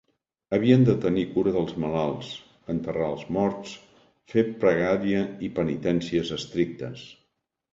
Havien de tenir cura dels malalts, enterrar els morts, fer pregària i penitències estrictes.